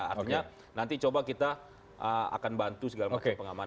artinya nanti coba kita akan bantu segala macam pengamanan